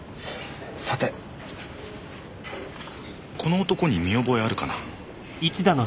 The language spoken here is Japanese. さてこの男に見覚えあるかな？